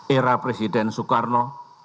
era presiden soekarno